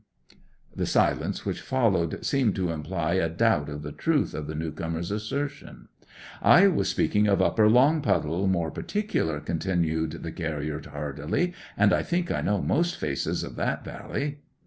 The silence which followed seemed to imply a doubt of the truth of the new comer's assertion. 'I was speaking of Upper Longpuddle more particular,' continued the carrier hardily, 'and I think I know most faces of that valley.